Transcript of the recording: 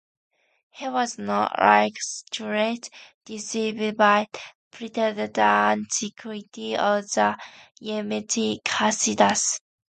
He was not, like Schultens, deceived by the pretended antiquity of the Yemenite "Kasidas".